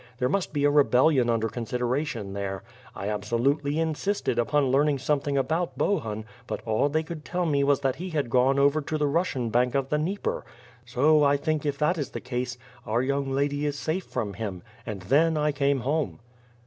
There must be a rebellion under consideration there. I absolutely insisted upon learning something about Bohun, but all they could tell me was that he had gone over to the Russian bank of the Dnieper*, so I think if that is the case, our young lady is safe from him. And then I came home."